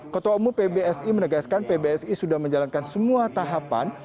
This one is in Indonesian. ketua umum pbsi menegaskan pbsi sudah menjalankan semua tahapan